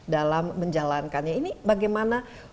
dalam menjalankannya ini bagaimana